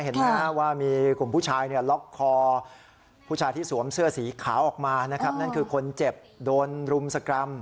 เห็นไหมฮะว่ามีกลุ่มผู้ชายล็อกคอผู้ชายที่สวมเสื้อสีขาวออกมานะครับนั่นคือคนเจ็บโดนรุมสกรรม